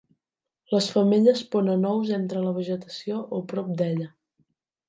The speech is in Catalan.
Les femelles ponen ous entre la vegetació o prop d'ella.